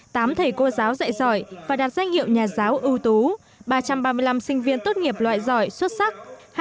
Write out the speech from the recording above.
tám thầy cô giáo dạy giỏi và đạt danh hiệu nhà giáo ưu tú ba trăm ba mươi năm sinh viên tốt nghiệp loại giỏi xuất sắc